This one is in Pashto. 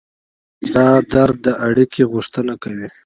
دا درد د اړیکې غوښتنه کوي.